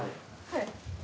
はい。